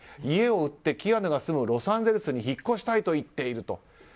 家を売ってキアヌが住むロサンゼルスに引っ越したいと言っていると。